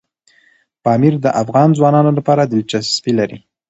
پامیر د افغان ځوانانو لپاره دلچسپي لري.